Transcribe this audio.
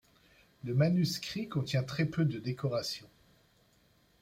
Le manuscrit contient très peu de décoration.